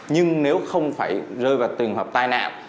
nhưng nếu không phải rơi vào tình hợp tai nạn